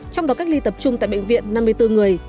trong đó cách ly tập trung tại bệnh viện năm mươi bốn người